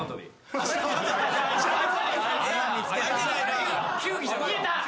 見えた！